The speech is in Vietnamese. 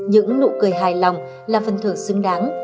những nụ cười hài lòng là phần thưởng xứng đáng